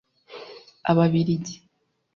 Ababiligi